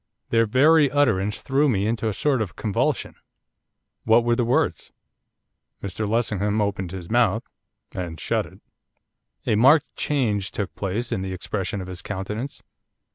Their very utterance threw me into a sort of convulsion.' 'What were the words?' Mr Lessingham opened his mouth, and shut it. A marked change took place in the expression of his countenance.